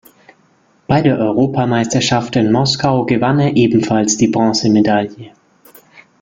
Bei der Europameisterschaft in Moskau gewann er ebenfalls die Bronzemedaille.